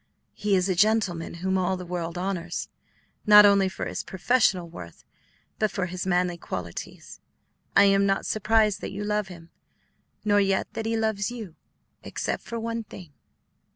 He is a gentleman whom all the world honors, not only for his professional worth, but for his manly qualities. I am not surprised that you love him, nor yet that he loves you except for one thing."